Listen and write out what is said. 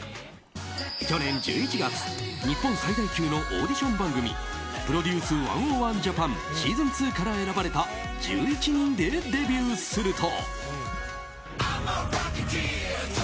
去年１１月、日本最大級のオーディション番組「ＰＲＯＤＵＣＥ１０１ＪＡＰＡＮＳＥＡＳＯＮ２」から選ばれた１１人でデビューすると。